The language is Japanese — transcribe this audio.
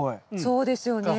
そうですよね。